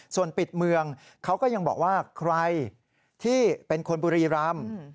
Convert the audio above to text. ส่วนปิดเมืองเขาก็ยังบอกว่าใครที่เป็นคนบุรีรำ